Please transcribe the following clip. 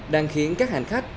đang khiến các hành khách